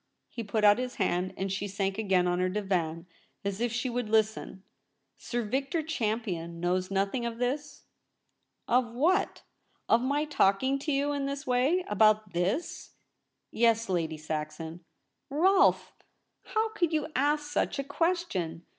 He put out his hand, and she sank again on her divan as if she would listen. * Sir Victor Champion knows nothing of this ?'' Of what ? Of my talking to you in this way — about this P' ' Yes, Lady Saxon.' ' Rolfe ! How could you ask such a ques tion